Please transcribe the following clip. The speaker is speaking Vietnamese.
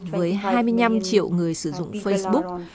với hai mươi năm triệu người sử dụng facebook